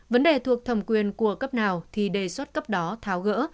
vấn đề thuộc thẩm quyền của cấp nào thì đề xuất cấp đó tháo gỡ